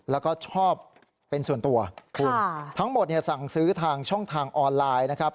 แล้วก็ชอบเป็นส่วนตัวคุณทั้งหมดเนี่ยสั่งซื้อทางช่องทางออนไลน์นะครับ